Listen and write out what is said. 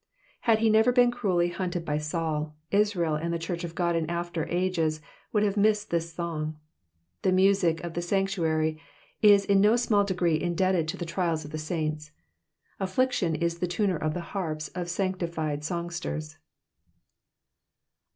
Had he never been cruelly hunted by Saul, Israel and the di)ii ch of Ood in after ages loould have missed this song. The music of the sanctuary is in no smali degree indited to the iriais of the saints. Affliction Ls the tuner of the Jiarps cf sanctified songsters.